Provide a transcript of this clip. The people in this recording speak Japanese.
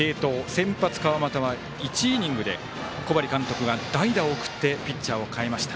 先発、川又は１イニングで小針監督は代打を送ってピッチャーを代えました。